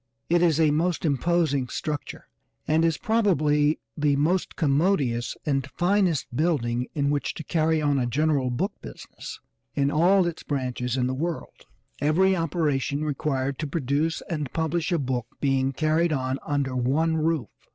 It is a most imposing structure, and is probably the most commodious, and finest building in which to carry on a general book business, in all its branches, in the world; every operation required to produce and publish a book being carried on under one roof.